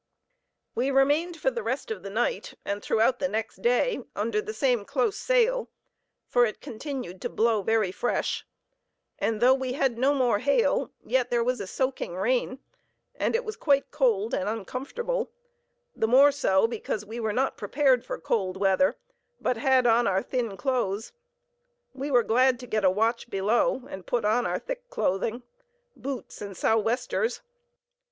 We remained for the rest of the night, and throughout the next day, under the same close sail, for it continued to blow very fresh; and though we had no more hail, yet there was a soaking rain, and it was quite cold and uncomfortable; the more so, because we were not prepared for cold weather, but had on our thin clothes. We were glad to get a watch below, and put on our thick clothing, boots, and southwesters.